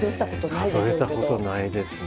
数えたことないですね。